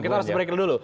kita harus break dulu